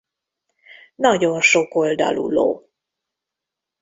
Nagyon sokoldalú ló.